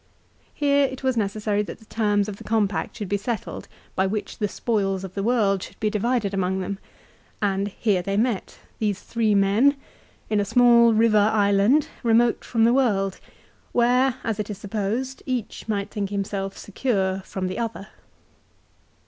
Here it wa necessary that the terms of the compact should be settled by which the spoils of the world should be divided among them, and here they met, these three men, in a small river island, remote from the world, where as it is supposed, each might think himself secure from the other.